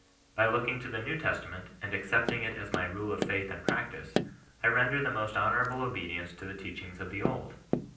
By looking to the New Testament and accepting it as my rule of faith and practice, I ren der the most honourable obedience to the teachings of the Old.